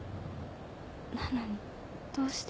なのにどうして。